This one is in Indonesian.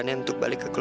nah itu yang jelas